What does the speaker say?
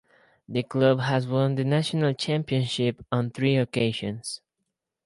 The club has won the national championship on three occasions.